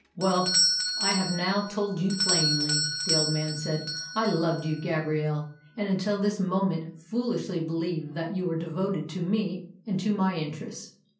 "Well, I have now told you plainly," the old man said. "I loved you, Gabrielle, and until this moment foolishly believed that you were devoted to me and to my interests.